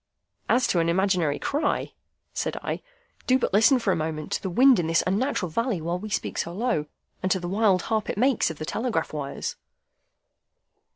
"As to an imaginary cry," said I, "do but listen for a moment to the wind in this unnatural valley while we speak so low, and to the wild harp it makes of the telegraph wires."